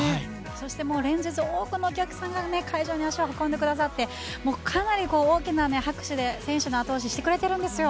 そして、連日多くのお客さんが会場に足を運んでくださってかなり大きな拍手で選手の後押しをしてくれているんですよ。